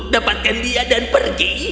dapatkan dia dan pergi